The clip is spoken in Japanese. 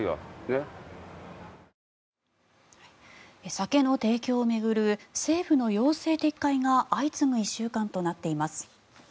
酒の提供を巡る政府の要請撤回が相次ぐ１週間となっています。